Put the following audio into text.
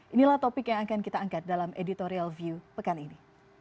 inilah topik yang akan kita angkat dalam editorial view pekan ini